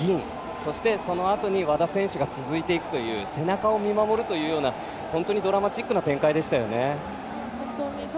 そしてそのあとに和田選手が続いていくという背中を見守るというような本当にドラマチックな展開でしたよね。